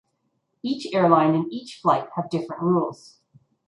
Each airline and each flight have different rules.